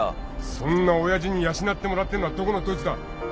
そんな親父に養ってもらってんのはどこのどいつだ。